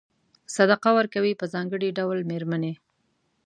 صدقه ورکوي په ځانګړي ډول مېرمنې.